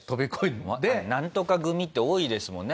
なんとか組って多いですもんね